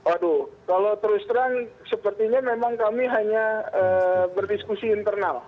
aduh kalau terus terang sepertinya memang kami hanya berdiskusi internal